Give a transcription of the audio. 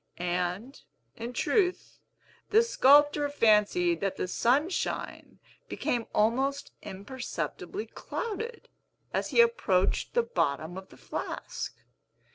And, in truth, the sculptor fancied that the Sunshine became almost imperceptibly clouded, as he approached the bottom of the flask.